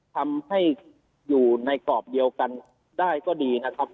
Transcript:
ทำให้อยู่ในกรอบเดียวกันได้ก็ดีนะครับ